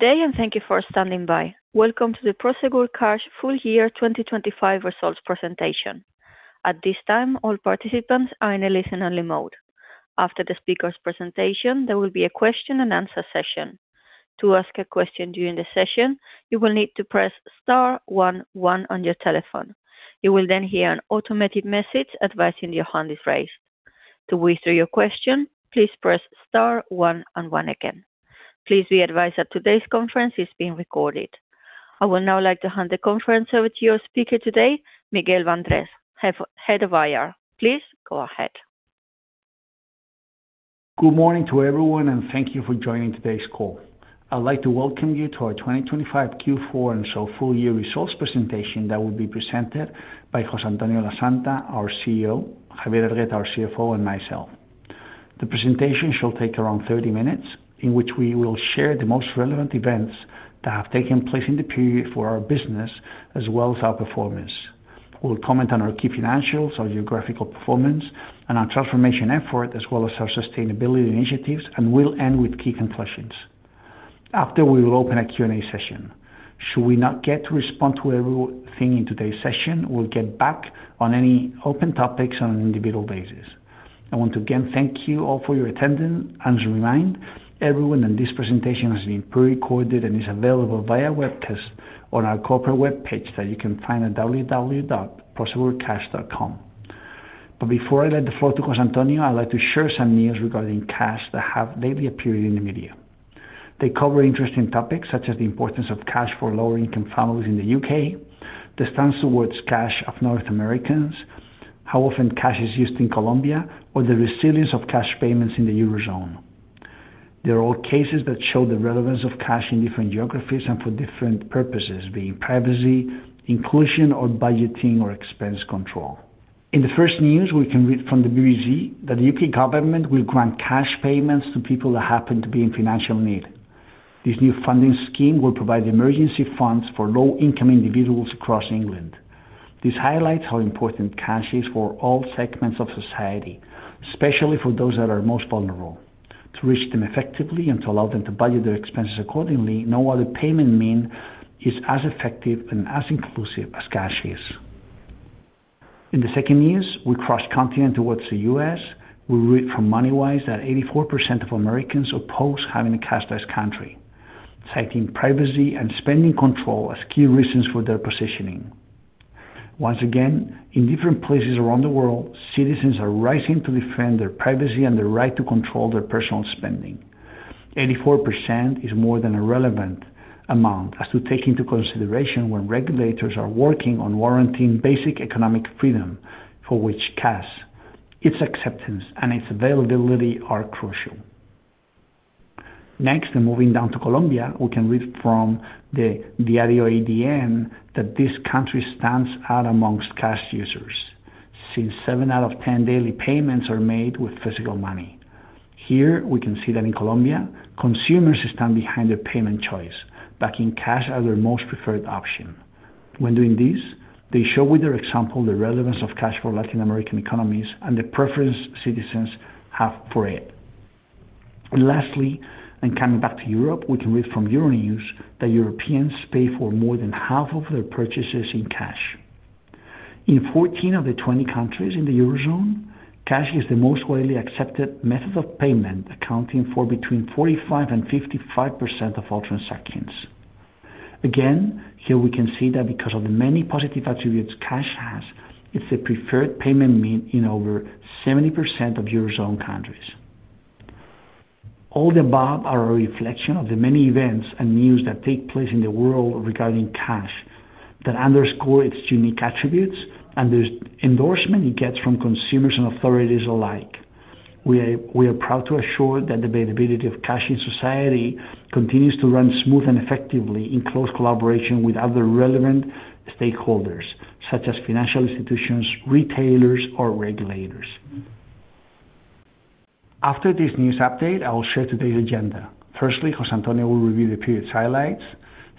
Good day. Thank you for standing by. Welcome to the Prosegur Cash Full Year 2025 Results Presentation. At this time, all participants are in a listen-only mode. After the speaker's presentation, there will be a question and answer session. To ask a question during the session, you will need to press star one one on your telephone. You will then hear an automated message advising you your hand is raised. To withdraw your question, please press star one and one again. Please be advised that today's conference is being recorded. I would now like to hand the conference over to your speaker today, Miguel Bandrés, Head of IR. Please go ahead. Good morning to everyone, and thank you for joining today's call. I'd like to welcome you to our 2025 Q4 and so full year results presentation that will be presented by José Antonio Lasanta, our CEO, Javier Hergueta, our CFO, and myself. The presentation shall take around 30 minutes, in which we will share the most relevant events that have taken place in the period for our business, as well as our performance. We'll comment on our key financials, our geographical performance, and our transformation effort, as well as our sustainability initiatives, and we'll end with key conclusions. After, we will open a Q&A session. Should we not get to respond to everything in today's session, we'll get back on any open topics on an individual basis. I want to again thank you all for your attendance and remind everyone that this presentation has been pre-recorded and is available via webcast on our corporate webpage that you can find at www.prosegurcash.com. Before I let the floor to José Antonio, I'd like to share some news regarding cash that have lately appeared in the media. They cover interesting topics, such as the importance of cash for lower-income families in the U.K., the stance towards cash of North Americans, how often cash is used in Colombia, or the resilience of cash payments in the Eurozone. They're all cases that show the relevance of cash in different geographies and for different purposes, be it privacy, inclusion, or budgeting or expense control. In the first news, we can read from the BBC that the U.K. government will grant cash payments to people that happen to be in financial need. This new funding scheme will provide emergency funds for low-income individuals across England. This highlights how important cash is for all segments of society, especially for those that are most vulnerable. To reach them effectively and to allow them to budget their expenses accordingly, no other payment mean is as effective and as inclusive as cash is. In the second news, we cross continent towards the U.S.. We read from Moneywise that 84% of Americans oppose having a cashless country, citing privacy and spending control as key reasons for their positioning. Once again, in different places around the world, citizens are rising to defend their privacy and their right to control their personal spending. 84% is more than a relevant amount as to take into consideration when regulators are working on warranting basic economic freedom, for which cash, its acceptance, and its availability are crucial. Next, moving down to Colombia, we can read from the Diario ADN that this country stands out among cash users, since seven out of 10 daily payments are made with physical money. Here, we can see that in Colombia, consumers stand behind their payment choice, backing cash as their most preferred option. When doing this, they show with their example the relevance of cash for Latin American economies and the preference citizens have for it. Lastly, coming back to Europe, we can read from Euronews that Europeans pay for more than half of their purchases in cash. In 14 of the 20 countries in the Eurozone, cash is the most widely accepted method of payment, accounting for between 45% and 55% of all transactions. Here we can see that because of the many positive attributes cash has, it's the preferred payment mean in over 70% of Eurozone countries. All the above are a reflection of the many events and news that take place in the world regarding cash, that underscore its unique attributes and the endorsement it gets from consumers and authorities alike. We are proud to assure that the availability of cash in society continues to run smooth and effectively in close collaboration with other relevant stakeholders, such as financial institutions, retailers, or regulators. After this news update, I will share today's agenda. Firstly, José Antonio will review the period's highlights.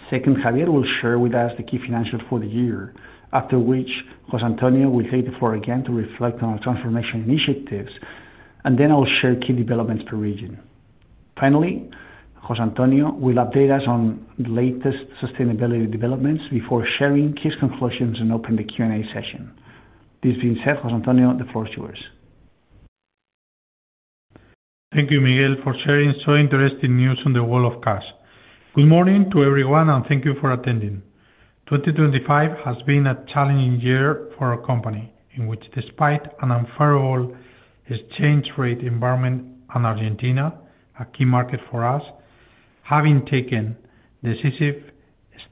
Second, Javier will share with us the key financials for the year, after which José Antonio will take the floor again to reflect on our transformation initiatives, and then I will share key developments per region. José Antonio will update us on the latest sustainability developments before sharing his conclusions and open the Q&A session. This being said, José Antonio, the floor is yours. Thank you, Miguel, for sharing so interesting news on the world of cash. Good morning to everyone, and thank you for attending. 2025 has been a challenging year for our company, in which despite an unfavorable exchange rate environment in Argentina, a key market for us, having taken decisive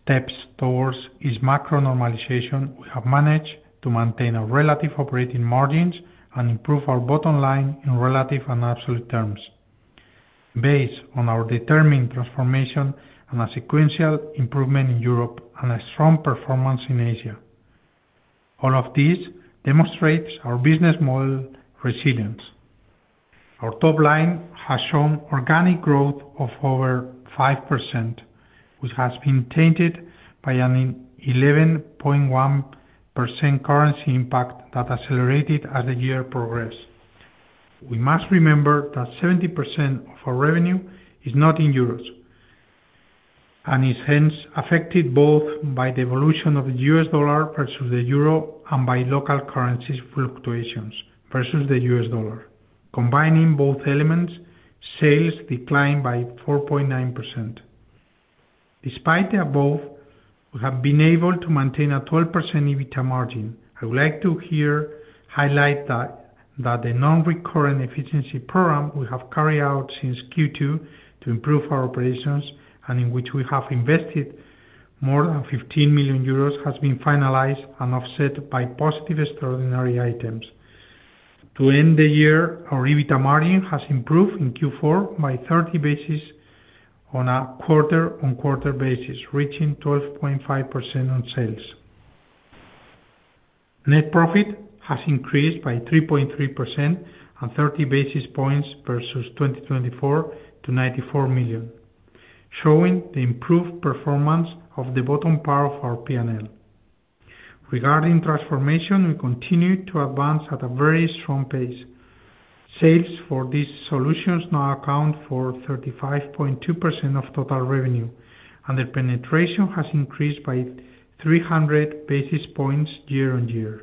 steps towards its macro normalization, we have managed to maintain our relative operating margins and improve our bottom line in relative and absolute terms. Based on our determined transformation and a sequential improvement in Europe and a strong performance in Asia, all of this demonstrates our business model resilience. Our top line has shown organic growth of over 5%, which has been tainted by an 11.1% currency impact that accelerated as the year progressed.... We must remember that 70% of our revenue is not in euros, is hence affected both by the evolution of the U.S. dollar versus the euro and by local currencies fluctuations versus the U.S. dollar. Combining both elements, sales declined by 4.9%. Despite the above, we have been able to maintain a 12% EBITDA margin. I would like to here highlight that the non-recurrent efficiency program we have carried out since Q2 to improve our operations, and in which we have invested more than 15 million euros, has been finalized and offset by positive extraordinary items. To end the year, our EBITDA margin has improved in Q4 by 30 basis on a quarter-on-quarter basis, reaching 12.5% on sales. Net profit has increased by 3.3% and 30 basis points versus 2024 to 94 million, showing the improved performance of the bottom part of our PNL. Regarding transformation, we continued to advance at a very strong pace. Sales for these solutions now account for 35.2% of total revenue, and their penetration has increased by 300 basis points year-on-year.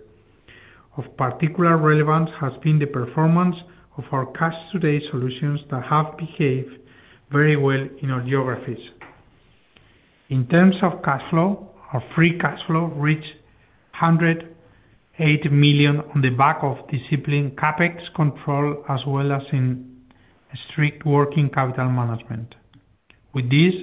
Of particular relevance has been the performance of our Cash Today solutions that have behaved very well in our geographies. In terms of cash flow, our free cash flow reached 180 million on the back of disciplined CapEx control, as well as in strict working capital management. With this,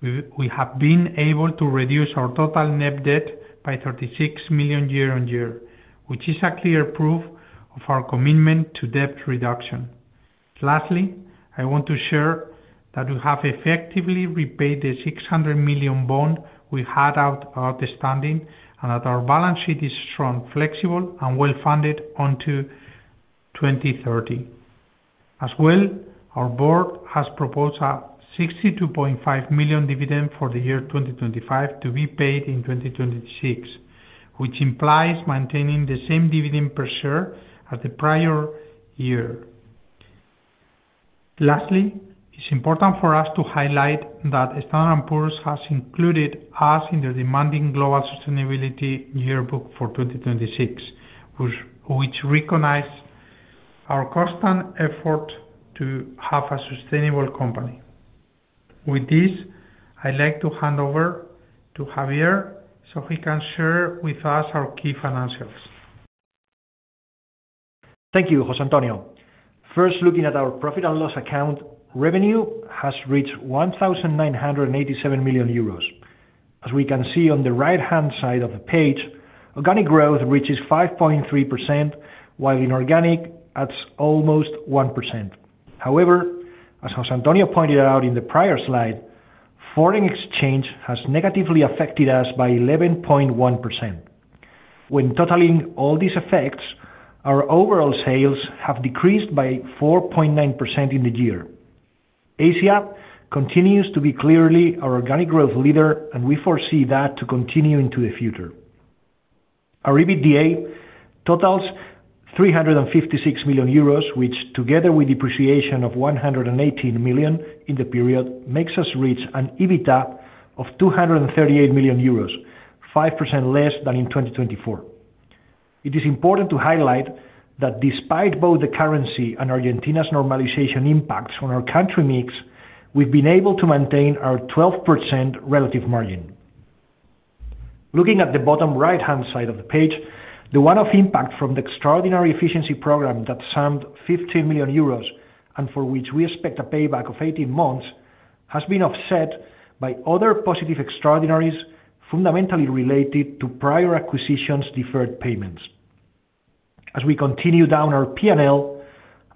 we have been able to reduce our total net debt by 36 million year-on-year, which is a clear proof of our commitment to debt reduction. I want to share that we have effectively repaid the 600 million bond we had outstanding, and that our balance sheet is strong, flexible, and well-funded until 2030. Our board has proposed a 62.5 million dividend for the year 2025 to be paid in 2026, which implies maintaining the same dividend per share as the prior year. It's important for us to highlight that Standard & Poor's has included us in the demanding The Sustainability Yearbook for 2026, which recognizes our constant effort to have a sustainable company. With this, I'd like to hand over to Javier, he can share with us our key financials. Thank you, José Antonio. First, looking at our profit and loss account, revenue has reached 1,987 million euros. As we can see on the right-hand side of the page, organic growth reaches 5.3%, while inorganic adds almost 1%. As José Antonio pointed out in the prior slide, foreign exchange has negatively affected us by 11.1%. Totaling all these effects, our overall sales have decreased by 4.9% in the year. Asia continues to be clearly our organic growth leader, and we foresee that to continue into the future. Our EBITDA totals 356 million euros, which, together with depreciation of 118 million in the period, makes us reach an EBITDA of 238 million euros, 5% less than in 2024. It is important to highlight that despite both the currency and Argentina's normalization impacts on our country mix, we've been able to maintain our 12% relative margin. Looking at the bottom right-hand side of the page, the one-off impact from the extraordinary efficiency program that summed 15 million euros, and for which we expect a payback of 18 months, has been offset by other positive extraordinaries, fundamentally related to prior acquisitions' deferred payments. As we continue down our PNL,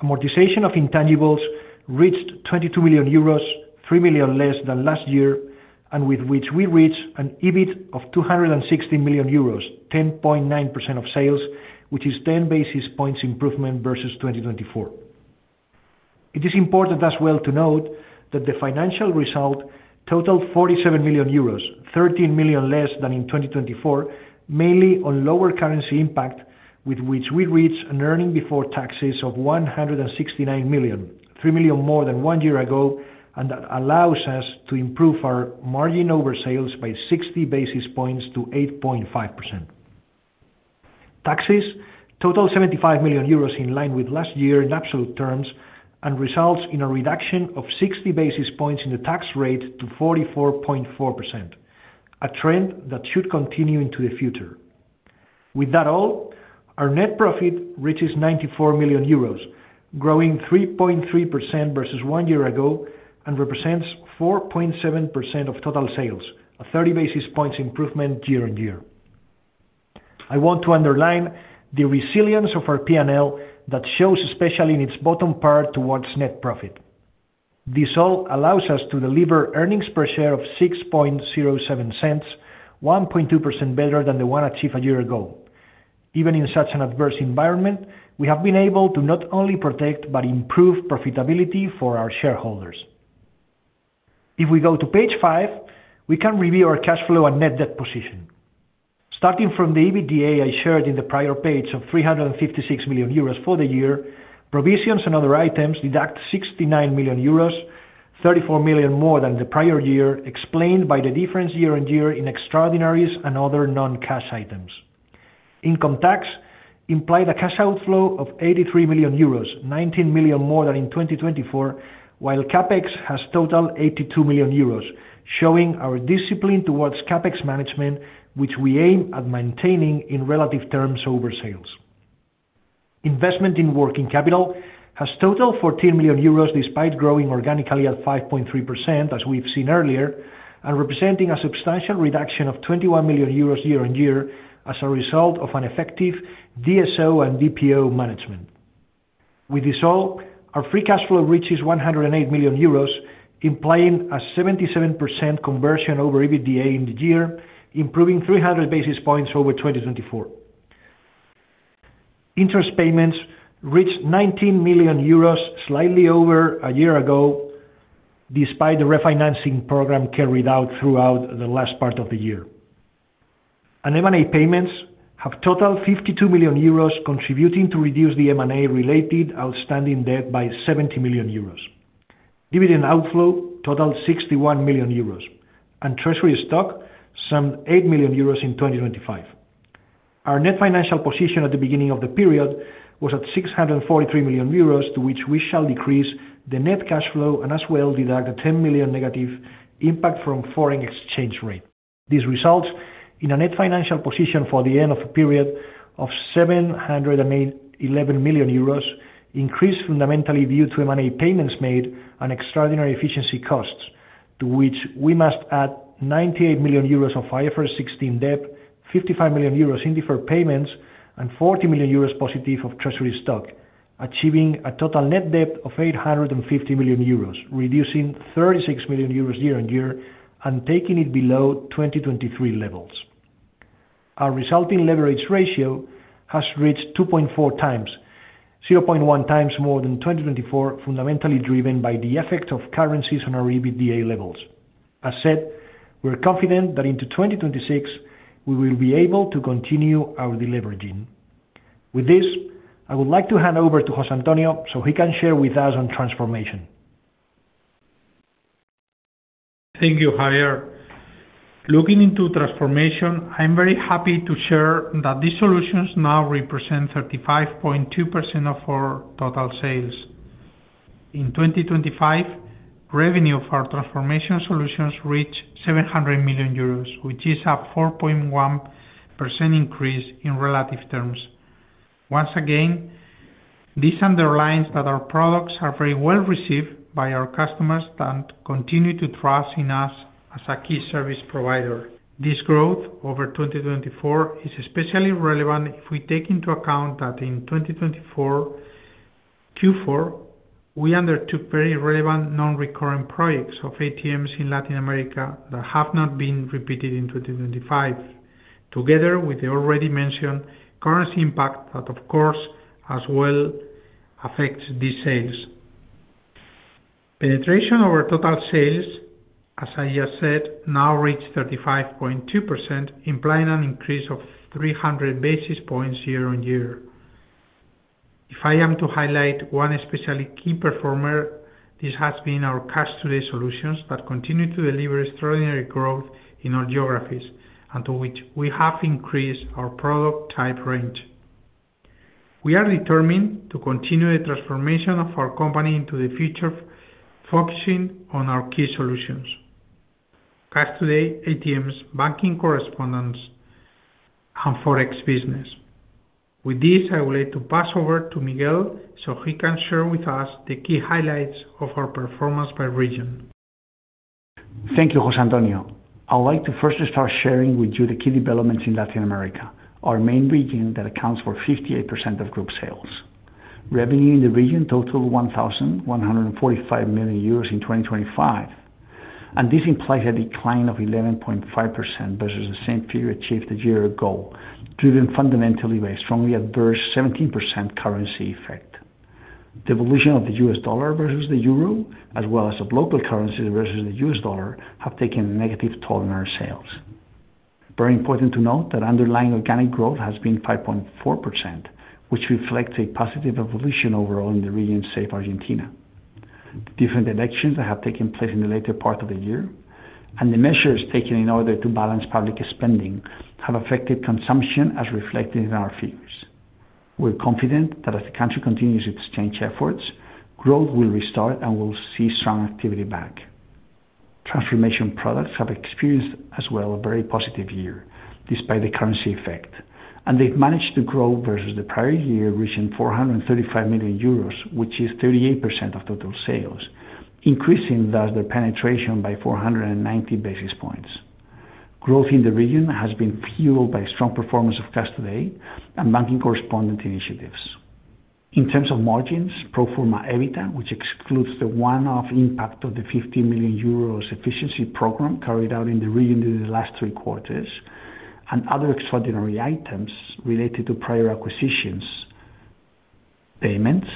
amortization of intangibles reached 22 million euros, 3 million less than last year, and with which we reach an EBIT of 260 million euros, 10.9% of sales, which is 10 basis points improvement versus 2024. It is important as well to note that the financial result totaled 47 million euros, 13 million less than in 2024, mainly on lower currency impact. We reach an earning before taxes of 169 million, 3 million more than one year ago. That allows us to improve our margin over sales by 60 basis points to 8.5%. Taxes totaled 75 million euros in line with last year in absolute terms. Results in a reduction of 60 basis points in the tax rate to 44.4%, a trend that should continue into the future. With that all, our net profit reaches 94 million euros, growing 3.3% versus one year ago. Represents 4.7% of total sales, a 30 basis points improvement year-on-year. I want to underline the resilience of our PNL, that shows especially in its bottom part towards net profit. This all allows us to deliver earnings per share of 0.0607, 1.2% better than the one achieved a year ago. Even in such an adverse environment, we have been able to not only protect, but improve profitability for our shareholders. We go to page five, we can review our cash flow and net debt position. Starting from the EBITDA I shared in the prior page of 356 million euros for the year, provisions and other items deduct 69 million euros, 34 million more than the prior year, explained by the difference year-on-year in extraordinaries and other non-cash items. Income tax implied a cash outflow of 83 million euros, 19 million more than in 2024, while CapEx has totaled 82 million euros, showing our discipline towards CapEx management, which we aim at maintaining in relative terms over sales. Investment in working capital has totaled 14 million euros, despite growing organically at 5.3%, as we've seen earlier, and representing a substantial reduction of 21 million euros year-on-year, as a result of an effective DSO and DPO management. With this all, our free cash flow reaches 108 million euros, implying a 77% conversion over EBITDA in the year, improving 300 basis points over 2024. Interest payments reached 19 million euros, slightly over a year ago, despite the refinancing program carried out throughout the last part of the year. M&A payments have totaled 52 million euros, contributing to reduce the M&A-related outstanding debt by 70 million euros. Dividend outflow totaled 61 million euros, and treasury stock summed 8 million euros in 2025. Our net financial position at the beginning of the period was at 643 million euros, to which we shall decrease the net cash flow and as well deduct the 10 million negative impact from foreign exchange rate. This results in a net financial position for the end of a period of 711 million euros, increased fundamentally due to M&A payments made and extraordinary efficiency costs, to which we must add 98 million euros of IFRS 16 debt, 55 million euros in deferred payments, and 40 million euros positive of treasury stock, achieving a total net debt of 850 million euros, reducing 36 million euros year-on-year and taking it below 2023 levels. Our resulting leverage ratio has reached 2.4 times, 0.1 times more than 2024, fundamentally driven by the effect of currencies on our EBITDA levels. As said, we're confident that into 2026, we will be able to continue our deleveraging. With this, I would like to hand over to Jose Antonio, so he can share with us on transformation. Thank you, Javier. Looking into transformation, I'm very happy to share that these solutions now represent 35.2% of our total sales. In 2025, revenue for our transformation solutions reached 700 million euros, which is a 4.1% increase in relative terms. Once again, this underlines that our products are very well received by our customers and continue to trust in us as a key service provider. This growth over 2024 is especially relevant if we take into account that in 2024, Q4, we undertook very relevant non-recurrent projects of ATMs in Latin America that have not been repeated in 2025, together with the already mentioned currency impact, that of course, as well affects these sales. Penetration over total sales, as I just said, now reach 35.2%, implying an increase of 300 basis points year-on-year. If I am to highlight one especially key performer, this has been our Cash Today solutions, that continue to deliver extraordinary growth in our geographies and to which we have increased our product type range. We are determined to continue the transformation of our company into the future, focusing on our key solutions: Cash Today, ATMs, correspondent banking, and Forex business. With this, I would like to pass over to Miguel, so he can share with us the key highlights of our performance by region. Thank you, José Antonio. I would like to first start sharing with you the key developments in Latin America, our main region that accounts for 58% of group sales. Revenue in the region totaled 1,145 million euros in 2025, this implies a decline of 11.5% versus the same period achieved a year ago, driven fundamentally by a strongly adverse 17% currency effect. The evolution of the U.S. dollar versus the euro, as well as of local currencies versus the U.S. dollar, have taken a negative toll on our sales. Very important to note that underlying organic growth has been 5.4%, which reflects a positive evolution overall in the region, save Argentina. The different elections that have taken place in the later part of the year, the measures taken in order to balance public spending, have affected consumption as reflected in our figures. We're confident that as the country continues its change efforts, growth will restart and we'll see strong activity back. Transformation products have experienced as well a very positive year, despite the currency effect. They've managed to grow versus the prior year, reaching 435 million euros, which is 38% of total sales, increasing thus their penetration by 490 basis points. Growth in the region has been fueled by strong performance of Cash Today and banking correspondent initiatives. In terms of margins, pro forma EBITDA, which excludes the one-off impact of the 50 million euros efficiency program carried out in the region in the last three quarters, and other extraordinary items related to prior acquisitions. payments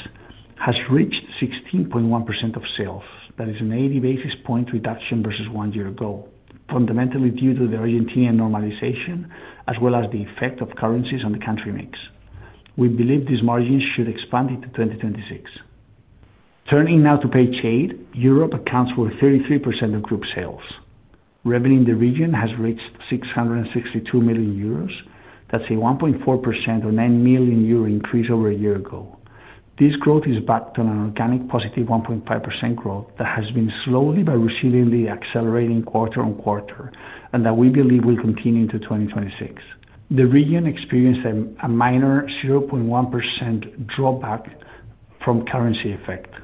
has reached 16.1% of sales. That is an 80 basis point reduction versus 1 year ago, fundamentally due to the Argentinian normalization, as well as the effect of currencies on the country mix. We believe these margins should expand into 2026. Turning now to Page eight, Europe accounts for 33% of group sales. Revenue in the region has reached 662 million euros. That's a 1.4% or 9 million euro increase over one year ago. This growth is backed on an organic positive 1.5% growth that has been slowly but receivingly accelerating quarter-on-quarter, and that we believe will continue into 2026. The region experienced a minor 0.1% drawback from currency effect.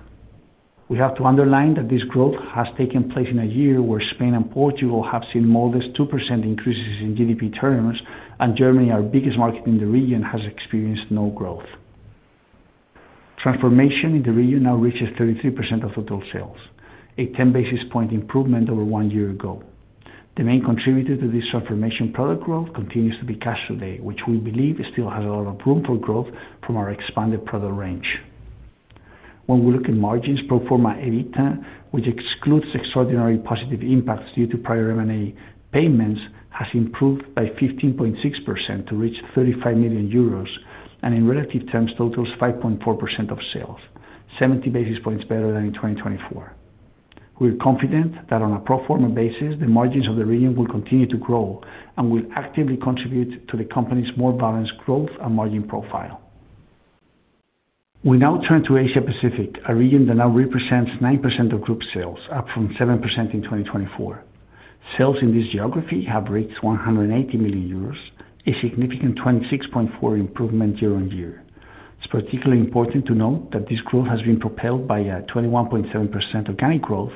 We have to underline that this growth has taken place in a year where Spain and Portugal have seen more or less 2% increases in GDP terms, and Germany, our biggest market in the region, has experienced no growth. Transformation in the region now reaches 33% of total sales, a 10 basis point improvement over one year ago. The main contributor to this transformation product growth continues to be Cash Today, which we believe still has a lot of room for growth from our expanded product range. When we look at margins, pro forma EBITDA, which excludes extraordinary positive impacts due to prior M&A payments, has improved by 15.6% to reach 35 million euros, and in relative terms, totals 5.4% of sales, 70 basis points better than in 2024. We're confident that on a pro forma basis, the margins of the region will continue to grow and will actively contribute to the company's more balanced growth and margin profile. We now turn to Asia Pacific, a region that now represents 9% of group sales, up from 7% in 2024. Sales in this geography have reached 180 million euros, a significant 26.4% improvement year-over-year. It's particularly important to note that this growth has been propelled by a 21.7% organic growth,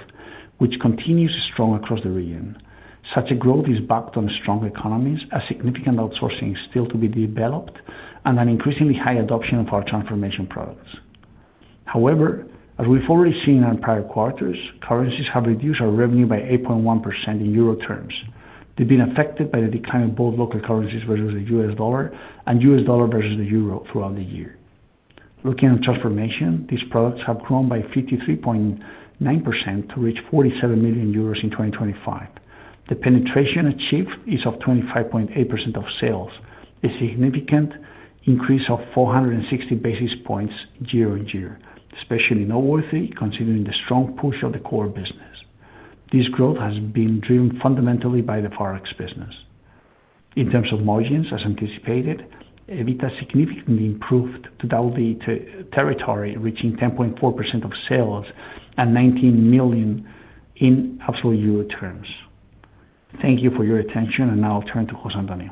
which continues strong across the region. Such a growth is backed on strong economies, a significant outsourcing still to be developed, and an increasingly high adoption of our transformation products. As we've already seen in prior quarters, currencies have reduced our revenue by 8.1% in EUR terms. They've been affected by the decline of both local currencies versus the U.S. dollar and U.S. dollar versus the euro throughout the year. Looking at transformation, these products have grown by 53.9% to reach 47 million euros in 2025. The penetration achieved is of 25.8% of sales, a significant increase of 460 basis points year-on-year, especially noteworthy, considering the strong push of the core business. This growth has been driven fundamentally by the Forex business. In terms of margins, as anticipated, EBITDA significantly improved to double the territory, reaching 10.4% of sales and 19 million in absolute euro terms. Thank you for your attention, now I'll turn to José Antonio.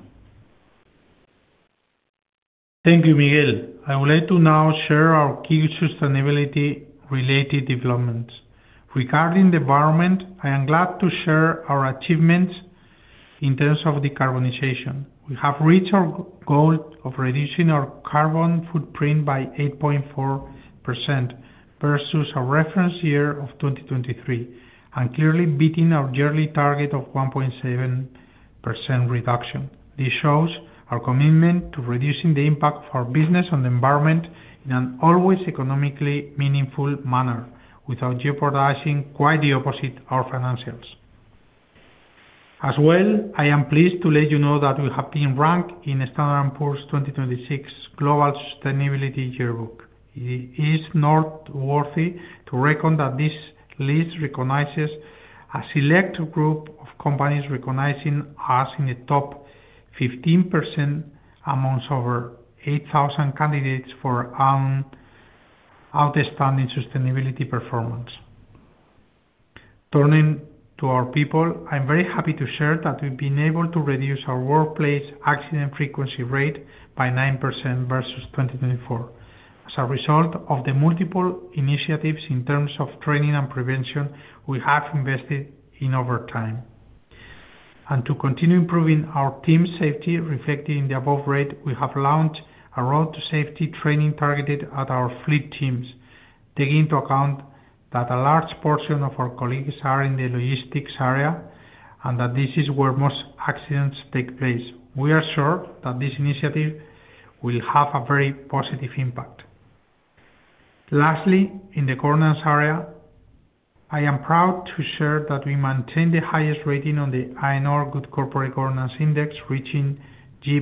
Thank you, Miguel. I would like to now share our key sustainability related developments. Regarding the environment, I am glad to share our achievements in terms of decarbonization. We have reached our goal of reducing our carbon footprint by 8.4% versus our reference year of 2023, clearly beating our yearly target of 1.7% reduction. This shows our commitment to reducing the impact of our business on the environment in an always economically meaningful manner, without jeopardizing, quite the opposite, our financials. I am pleased to let you know that we have been ranked in the Standard & Poor's 2026 Global Sustainability Yearbook. It is noteworthy to reckon that this list recognizes a select group of companies recognizing us in the top 15% amongst over 8,000 candidates for outstanding sustainability performance. Turning to our people, I'm very happy to share that we've been able to reduce our workplace accident frequency rate by 9% versus 2024. As a result of the multiple initiatives in terms of training and prevention, we have invested in over time. To continue improving our team safety, reflecting the above rate, we have launched a Road to Safety training targeted at our fleet teams, taking into account that a large portion of our colleagues are in the logistics area, that this is where most accidents take place. We are sure that this initiative will have a very positive impact. Lastly, in the governance area, I am proud to share that we maintain the highest rating on the AENOR Good Corporate Governance Index, reaching G++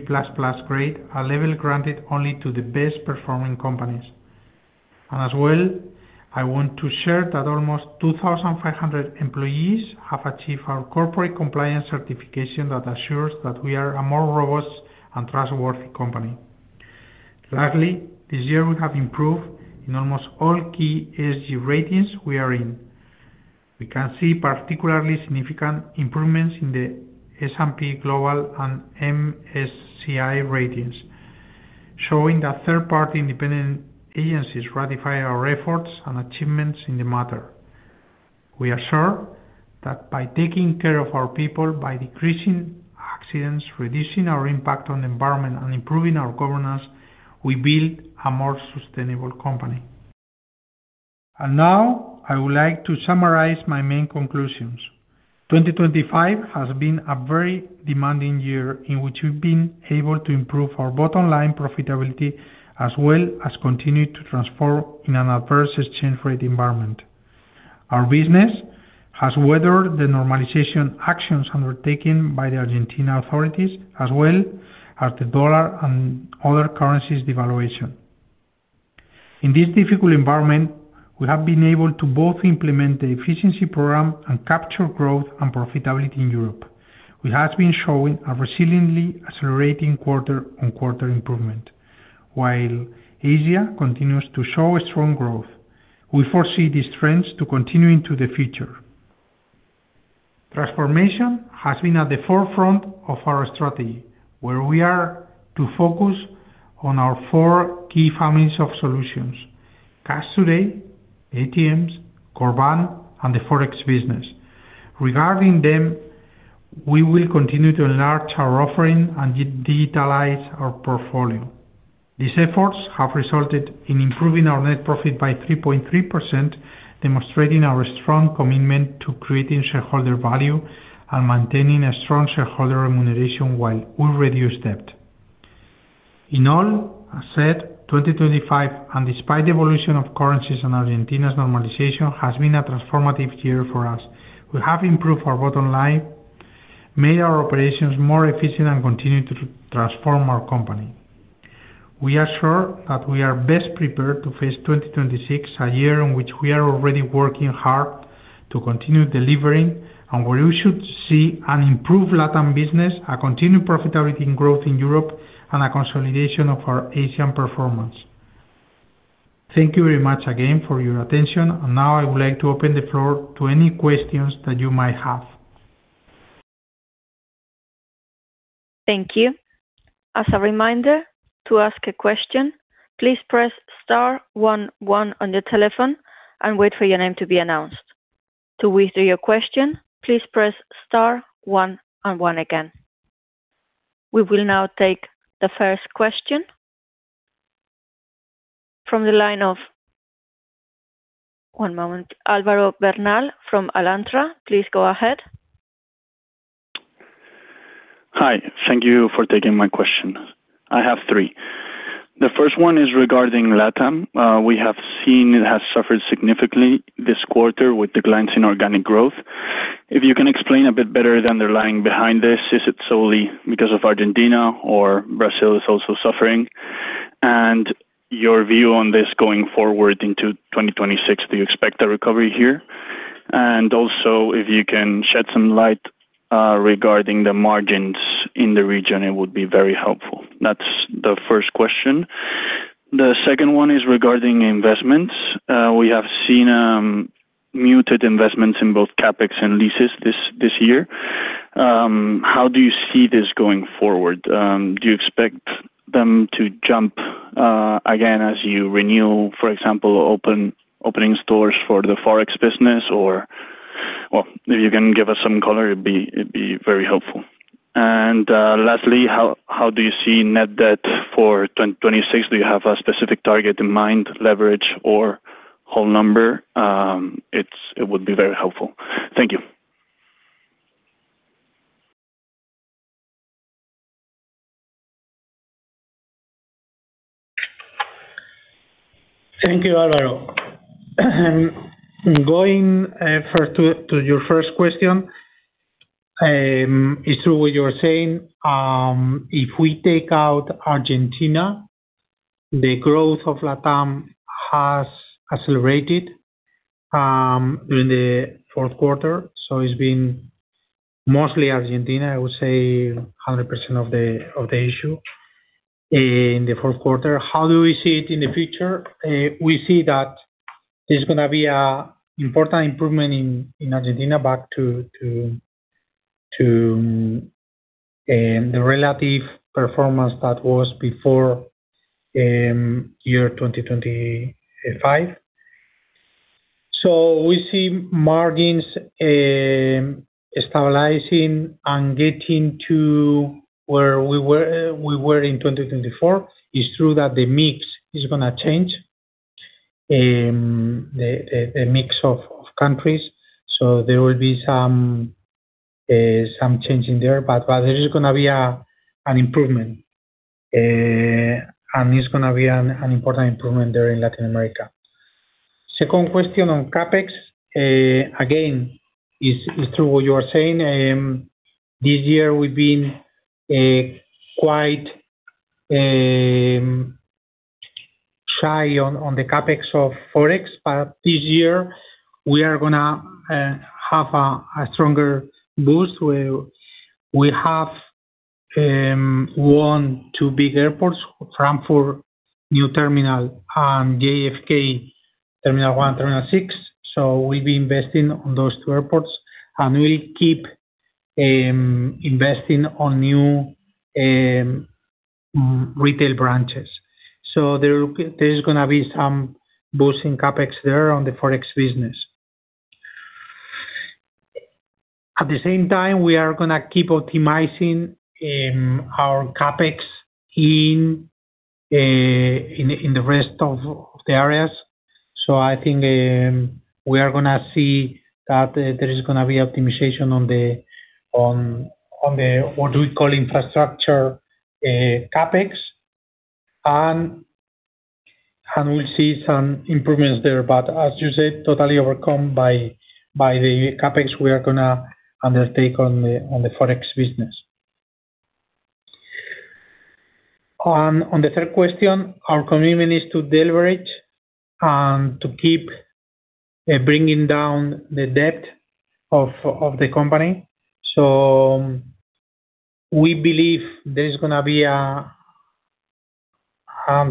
grade, a level granted only to the best performing companies. As well, I want to share that almost 2,500 employees have achieved our corporate compliance certification that assures that we are a more robust and trustworthy company. Lastly, this year, we have improved in almost all key ESG ratings we are in. We can see particularly significant improvements in the S&P Global and MSCI ratings, showing that third-party independent agencies ratify our efforts and achievements in the matter. We are sure that by taking care of our people, by decreasing accidents, reducing our impact on the environment, and improving our governance, we build a more sustainable company. Now, I would like to summarize my main conclusions. 2025 has been a very demanding year, in which we've been able to improve our bottom line profitability, as well as continue to transform in an adverse exchange rate environment. Our business has weathered the normalization actions undertaken by the Argentina authorities, as well as the US dollar and other currencies devaluation. In this difficult environment, we have been able to both implement the efficiency program and capture growth and profitability in Europe, which has been showing a resiliently accelerating quarter-on-quarter improvement, while Asia continues to show a strong growth. We foresee these trends to continue into the future. Transformation has been at the forefront of our strategy, where we are to focus on our four key families of solutions: Cash Today, ATMs, CORBAN, and the Forex business. Regarding them, we will continue to enlarge our offering and digitalize our portfolio. These efforts have resulted in improving our net profit by 3.3%, demonstrating our strong commitment to creating shareholder value and maintaining a strong shareholder remuneration while we reduce debt. In all, I said, 2025, and despite the evolution of currencies and Argentina's normalization, has been a transformative year for us. We have improved our bottom line, made our operations more efficient, and continued to transform our company. We are sure that we are best prepared to face 2026, a year in which we are already working hard to continue delivering, and where we should see an improved Latam business, a continued profitability growth in Europe, and a consolidation of our Asian performance. Thank you very much again for your attention. Now I would like to open the floor to any questions that you might have. Thank you. As a reminder, to ask a question, please press star one on your telephone and wait for your name to be announced. To withdraw your question, please press star one and one again. We will now take the first question. From the line of One moment. Alvaro Bernal from Alantra, please go ahead. Hi, thank you for taking my question. I have three. The first one is regarding Latam. We have seen it has suffered significantly this quarter with the clients in organic growth. If you can explain a bit better the underlying behind this, is it solely because of Argentina or Brazil is also suffering? Your view on this going forward into 2026, do you expect a recovery here? Also, if you can shed some light regarding the margins in the region, it would be very helpful. That's the first question. The second one is regarding investments. We have seen muted investments in both CapEx and leases this year. How do you see this going forward? Do you expect them to jump again, as you renew, for example, opening stores for the Forex business? Well, if you can give us some color, it'd be very helpful. Lastly, how do you see net debt for 2026? Do you have a specific target in mind, leverage or whole number? It would be very helpful. Thank you. Thank you, Alvaro. Going first to your first question, it's true what you're saying. If we take out Argentina, the growth of Latam has accelerated during the fourth quarter, so it's been mostly Argentina, I would say 100% of the issue in the fourth quarter. How do we see it in the future? We see that there's gonna be a important improvement in Argentina back to the relative performance that was before year 2025. We see margins stabilizing and getting to where we were in 2024. It's true that the mix is gonna change, the mix of countries, there will be some change in there, but there is gonna be an improvement, and it's gonna be an important improvement there in Latin America. Second question on CapEx, again, is, it's true what you are saying. This year we've been quite shy on the CapEx of Forex, but this year we are gonna have a stronger boost, where we have one, two big airports, Frankfurt new terminal and JFK terminal one, terminal six. We'll be investing on those two airports, and we'll keep investing on new retail branches. There is gonna be some boost in CapEx there on the Forex business. At the same time, we are gonna keep optimizing our CapEx in the rest of the areas. I think we are gonna see that there is gonna be optimization on the what do we call infrastructure CapEx. We'll see some improvements there, but as you said, totally overcome by the CapEx we are gonna undertake on the Forex business. On the third question, our commitment is to deliver it and to keep bringing down the debt of the company. We believe there is gonna be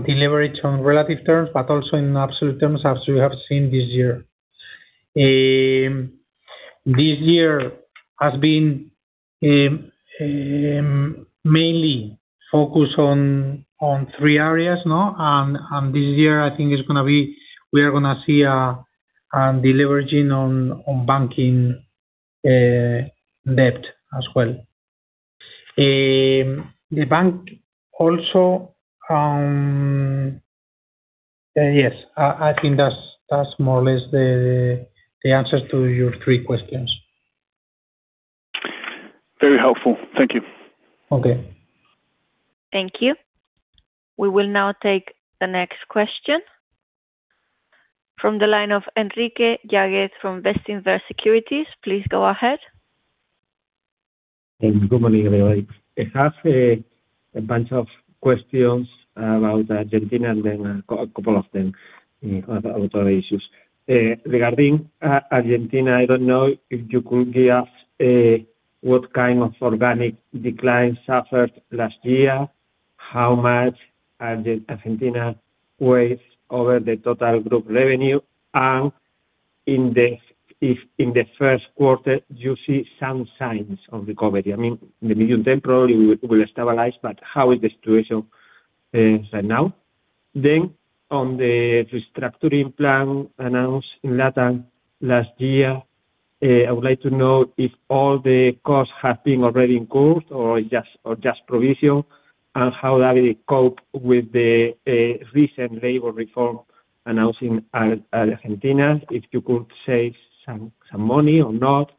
delivery on relative terms, but also in absolute terms, as we have seen this year. This year has been mainly focused on three areas, no? This year, I think we are gonna see a delivering on banking debt as well. The bank also. Yes, I think that's more or less the answer to your three questions. Very helpful. Thank you. Okay. Thank you. We will now take the next question. From the line of Enrique Yaguez from Bestinver Securities, please go ahead. Good morning, everybody. I have a bunch of questions about Argentina, and then a couple of them about other issues. Regarding Argentina, I don't know if you could give what kind of organic decline suffered last year, how much are the Argentina weighs over the total group revenue, if in the first quarter, do you see some signs of recovery? I mean, in the medium term, probably will stabilize, how is the situation right now? On the restructuring plan announced in Latin last year, I would like to know if all the costs have been already incurred or just provision, how that cope with the recent labor reform announced in Argentina, if you could save some money or not,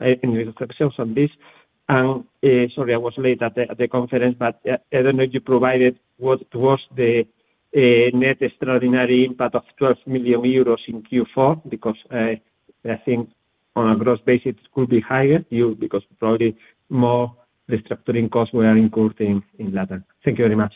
any reflections on this. Sorry, I was late at the conference. I don't know if you provided what was the net extraordinary impact of 12 million euros in Q4. I think on a gross basis, it could be higher, because probably more restructuring costs were incurred in Latin. Thank you very much.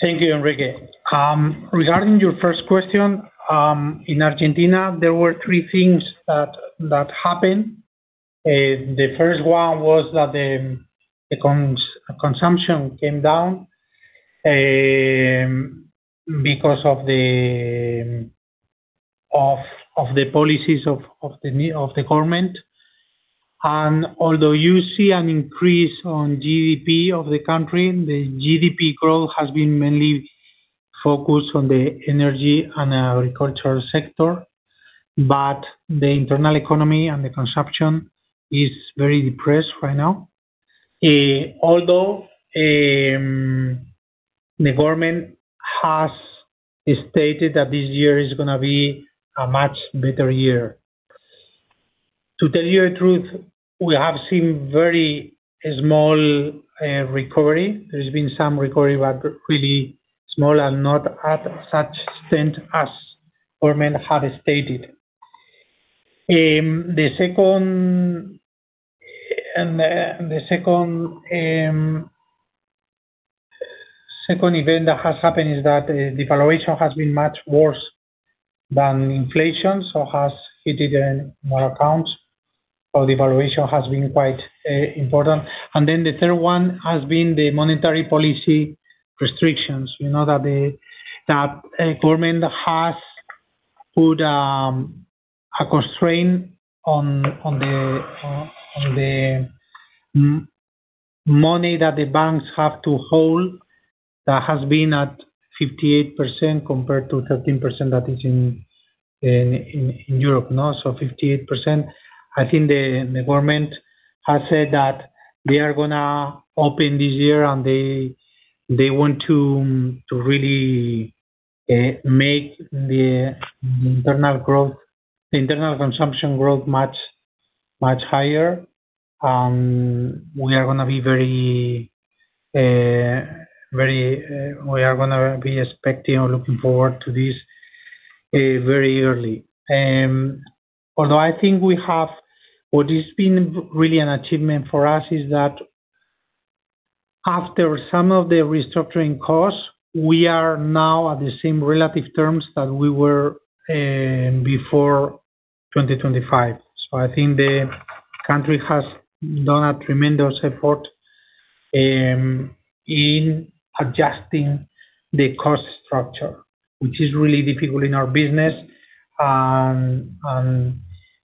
Thank you, Enrique. Regarding your first question, in Argentina, there were three things that happened. The first one was that the consumption came down because of the policies of the government. Although you see an increase on GDP of the country, the GDP growth has been mainly focused on the energy and agricultural sector, but the internal economy and the consumption is very depressed right now. Although the government has stated that this year is gonna be a much better year. To tell you the truth, we have seen very small recovery. There's been some recovery, but really small and not at such extent as government had stated. The second event that has happened is that devaluation has been much worse than inflation, so has hit in more accounts. The valuation has been quite important. The third one has been the monetary policy restrictions. We know that the government has put a constraint on the money that the banks have to hold, that has been at 58% compared to 13% that is in Europe. 58%. I think the government has said that they are gonna open this year, they want to really make the internal growth, the internal consumption growth much, much higher. We are gonna be very, very, we are gonna be expecting or looking forward to this very early. Although I think we have, what has been really an achievement for us is that after some of the restructuring costs, we are now at the same relative terms that we were before 2025. I think the country has done a tremendous effort in adjusting the cost structure, which is really difficult in our business.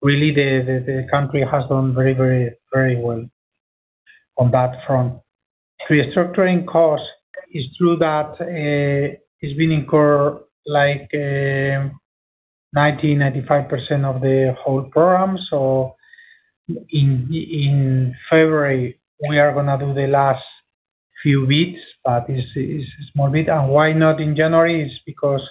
Really, the country has done very well on that front. Restructuring cost is true that it's been incurred like 90%-95% of the whole program. In February, we are gonna do the last few bits, but it's more bit. Why not in January? It's because,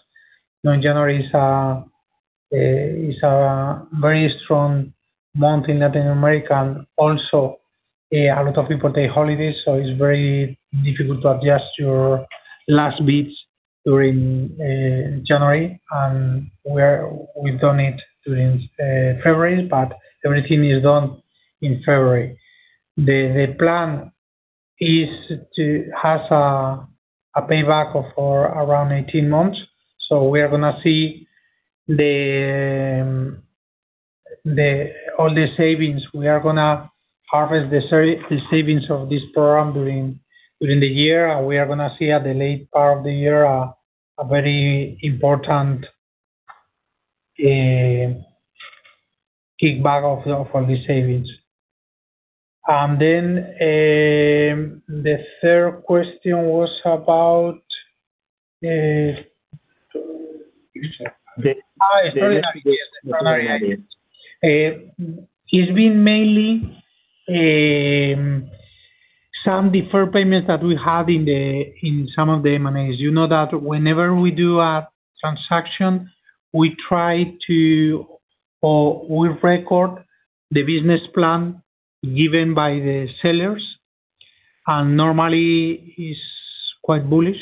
you know, January is a very strong month in Latin America, and also, a lot of people take holidays, so it's very difficult to adjust your last bits during January. We've done it during February, but everything is done in February. The plan is to have a payback of for around 18 months, so we are gonna see all the savings. We are gonna harvest the savings of this program during the year, and we are gonna see at the late part of the year, a very important kickback of the savings. The third question was about... It's been mainly some deferred payments that we had in some of the M&As. You know that whenever we do a transaction, we record the business plan given by the sellers, and normally it's quite bullish.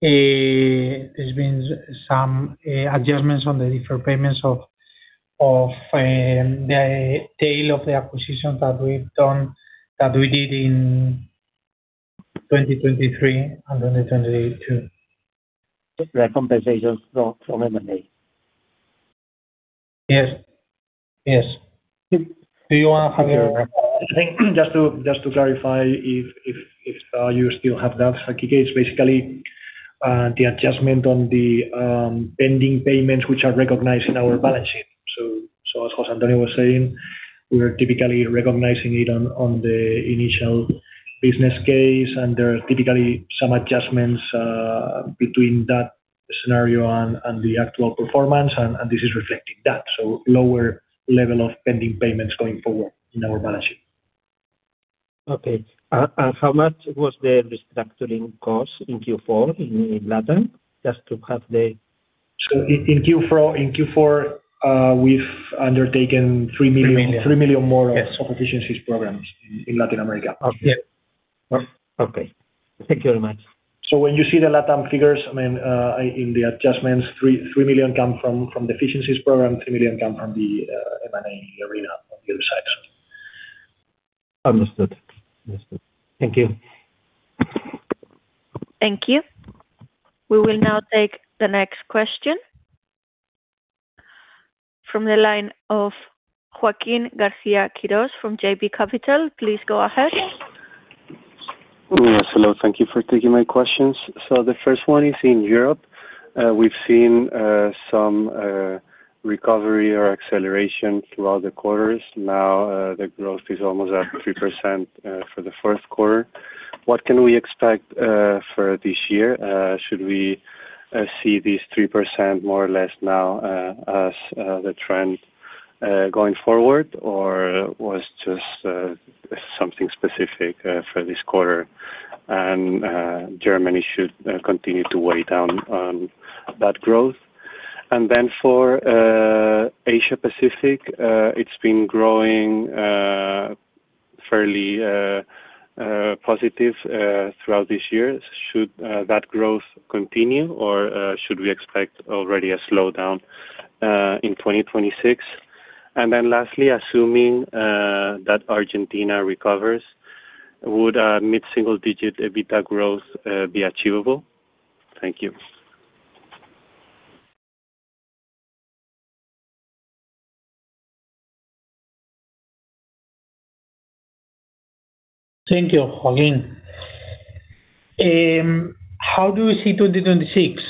There's been some adjustments on the different payments of the tail of the acquisitions that we've done, that we did in 2023 and 2022. The compensations from M&A. Yes. Yes. Do you wanna Javier? I think just to clarify, if you still have that, it's basically the adjustment on the pending payments, which are recognized in our balance sheet. As José Antonio was saying, we are typically recognizing it on the initial business case, and there are typically some adjustments between that scenario and the actual performance, and this is reflecting that. Lower level of pending payments going forward in our balance sheet. Okay. How much was the restructuring cost in Q4 in Latin? In Q4, we've undertaken. 3 million. 3 million more of efficiencies programs in Latin America. Okay. Yes. Okay. Thank you very much. When you see the Latin figures, I mean, in the adjustments, 3 million come from the efficiencies program, 3 million come from the M&A area on the other side. Understood. Understood. Thank you. Thank you. We will now take the next question. From the line of Joaquín García-Quirós from JB Capital. Please go ahead. Yes, hello, thank you for taking my questions. The first one is in Europe. We've seen some recovery or acceleration throughout the quarters. Now, the growth is almost at 3% for the fourth quarter. What can we expect for this year? Should we see this 3% more or less now as the trend going forward, or was just something specific for this quarter? Germany should continue to weigh down on that growth. For Asia Pacific, it's been growing fairly positive throughout this year. Should that growth continue, or should we expect already a slowdown in 2026? Lastly, assuming that Argentina recovers, would a mid-single digit EBITDA growth be achievable? Thank you. Thank you, Joaquín. How do we see 2026?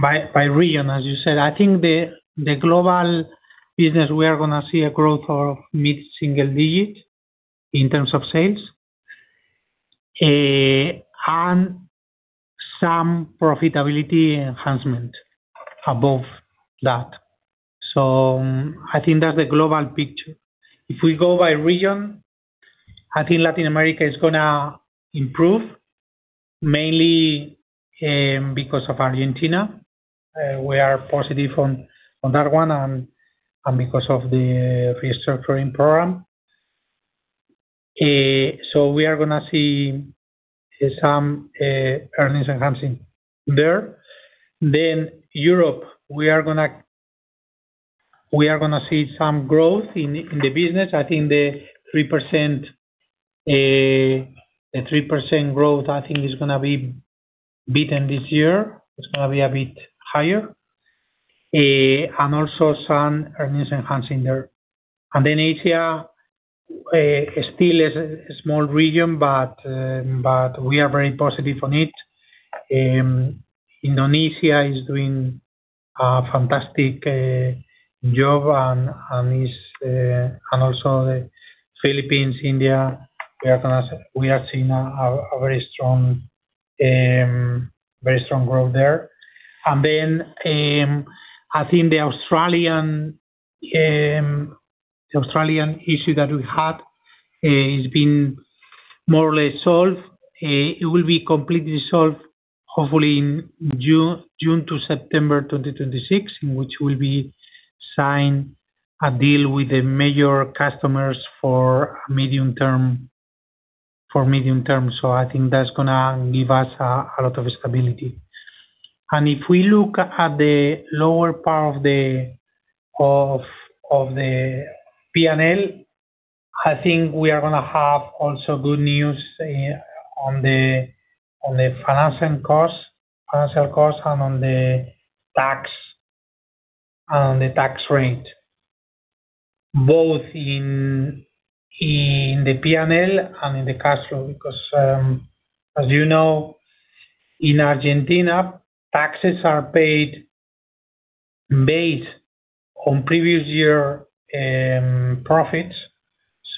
By region, as you said, I think the global business, we are gonna see a growth of mid-single digits in terms of sales, and some profitability enhancement above that. I think that's the global picture. If we go by region, I think Latin America is gonna improve, mainly, because of Argentina. We are positive on that one and because of the restructuring program. We are gonna see some earnings enhancing there. Europe, we are going to see some growth in the business. I think the 3% growth, I think, is going to be beaten this year. It's going to be a bit higher. Also some earnings enhancing there. Asia still is a small region, but we are very positive on it. Indonesia is doing a fantastic job, and is and also the Philippines, India, we are seeing a very strong growth there. I think the Australian issue that we had is being more or less solved. It will be completely solved, hopefully in June to September 2026, in which we'll be sign a deal with the major customers for medium term. I think that's gonna give us a lot of stability. If we look at the lower part of the P&L, I think we are going to have also good news on the financial costs and on the tax rate. Both in the P&L and in the cash flow, because, as you know, in Argentina, taxes are paid based on previous year profits.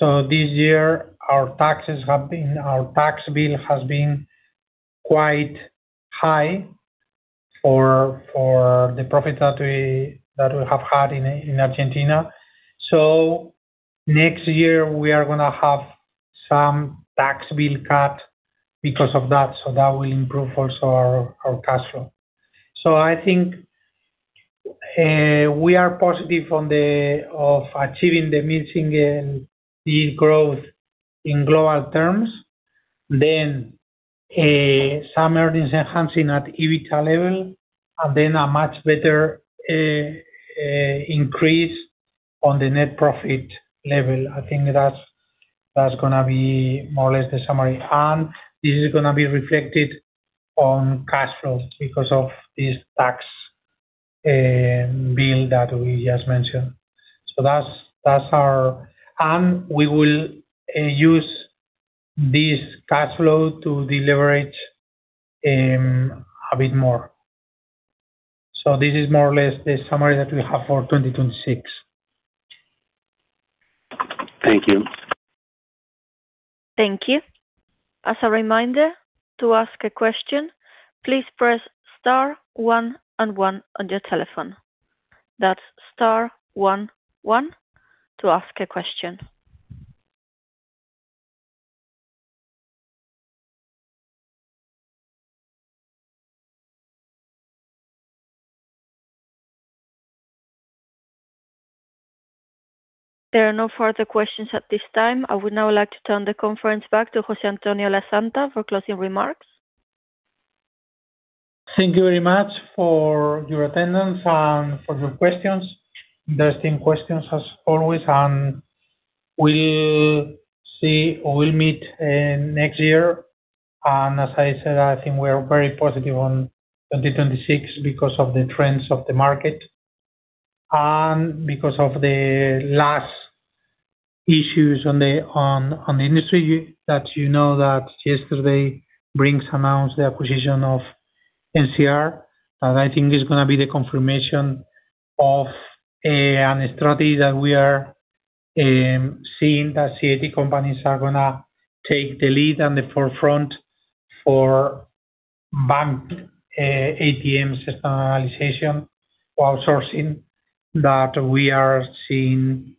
This year, our tax bill has been quite high for the profit that we have had in Argentina. Next year, we are going to have some tax bill cut because of that, so that will improve also our cash flow. I think we are positive on achieving the mid-single growth in global terms. Some earnings enhancing at EBITDA level, and then a much better increase on the net profit level. I think that's going to be more or less the summary. This is going to be reflected on cash flows because of this tax bill that we just mentioned. We will use this cash flow to deleverage a bit more. This is more or less the summary that we have for 2026. Thank you. Thank you. As a reminder, to ask a question, please press star one and one on your telephone. That's star one one to ask a question. There are no further questions at this time. I would now like to turn the conference back to José Antonio Lasanta for closing remarks. Thank you very much for your attendance and for your questions. Interesting questions, as always. We'll see, or we'll meet, next year. As I said, I think we are very positive on 2026 because of the trends of the market and because of the last issues on the industry, that you know that yesterday Brink's announced the acquisition of NCR. I think it's going to be the confirmation of an strategy that we are seeing, that CIT companies are going to take the lead on the forefront for bank, ATM systematization or outsourcing, that we are seeing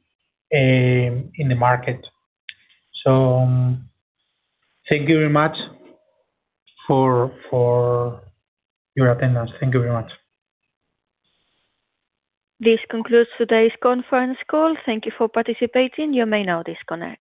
in the market. Thank you very much for your attendance. Thank you very much. This concludes today's conference call. Thank you for participating. You may now disconnect.